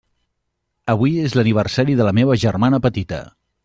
Avui és l'aniversari de la meva germana petita.